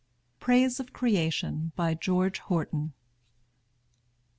PRAISE OF CREATION. BY GEORGE HORTON.